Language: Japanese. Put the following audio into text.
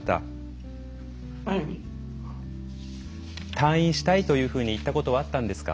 退院したいというふうに言ったことはあったんですか？